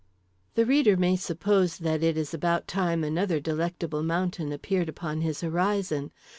The reader may suppose that it is about time another Delectable Mountain appeared upon his horizon.